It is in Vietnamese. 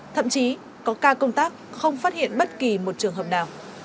thậm chí có ca công tác không phát hiện bất kỳ một trường hợp nào